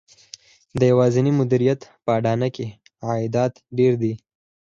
د یوازېني مدیریت په اډانه کې عایدات ډېر دي